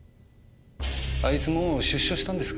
あいつもう出所したんですか。